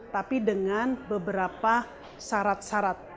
tapi dengan beberapa syarat syarat